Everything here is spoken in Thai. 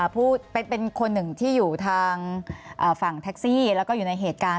ผู้เป็นคนหนึ่งที่อยู่ทางฝั่งแท็กซี่แล้วก็อยู่ในเหตุการณ์